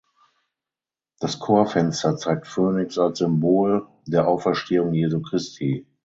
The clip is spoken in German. Das Chorfenster zeigt Phönix als Symbol der Auferstehung Jesu Christi.